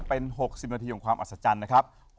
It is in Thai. เป็น๖๐นาทีของความอัศจรรย์นะครับ